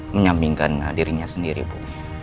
menyambingkan dirinya sendiri bu